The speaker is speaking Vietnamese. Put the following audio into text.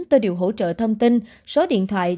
tôi đều hỗ trợ thông tin số điện thoại